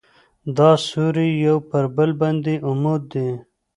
دا سوري یو پر بل باندې عمود دي.